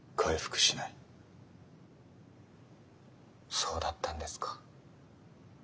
そうだったんですか。